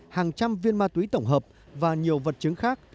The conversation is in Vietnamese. hàng trăm viên ma túy tổng hợp và nhiều vật chứng khác